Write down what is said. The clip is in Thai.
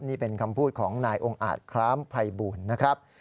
นี่เป็นคำพูดของนอคพัยบุญนะครับ